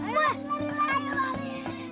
lari lari lari bambin